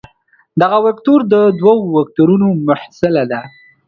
دغه وکتور د دوو وکتورونو محصله ده.